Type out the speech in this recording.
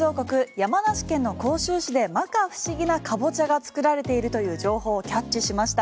山梨県の甲州市で摩訶不思議なカボチャが作られているという情報をキャッチしました。